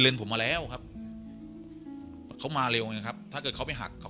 ผมมาแล้วครับเขามาเร็วไงครับถ้าเกิดเขาไปหักเขา